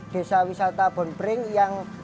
desa wisata bonpreng yang